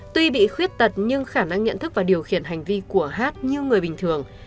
tuy bị khuyết tật nhưng khả năng nhận thức và điều khiển hành vi của hát như người bình thường